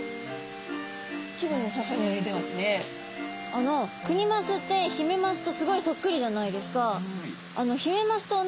あのクニマスってヒメマスとすごいそっくりじゃないですか。